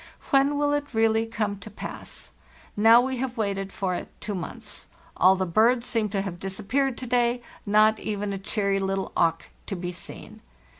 When will it really come to pass? Now we have waited for it two months. All the birds seemed to have disappeared to day; not even a cheery little auk to be seen.